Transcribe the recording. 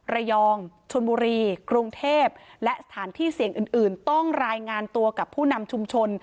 ระยองชนบุรีกรุงเทพและสถานที่เสี่ยงอื่นต้องรายงานตัวกับผู้นำชุมชน